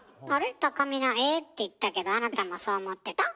たかみな「えっ？」って言ったけどあなたもそう思ってた？